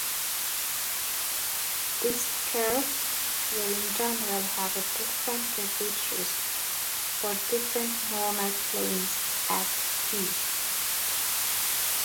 This curve will in general have different curvatures for different normal planes at "p".